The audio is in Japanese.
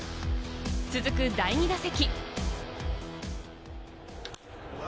続く第２打席。